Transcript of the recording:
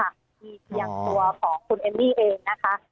นี้เปียงตัวของคุณเอมมี่เอง